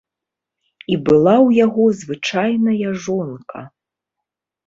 І была ў яго звычайная жонка.